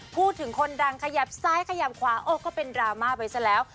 พูดถึงคนดังขยับซ้ายขยับขวาโอ้ก็เป็นดราม่าไปซะแล้ว